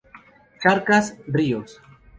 Charcas, ríos.